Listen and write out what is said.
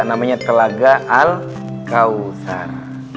namanya kelaga al kawthar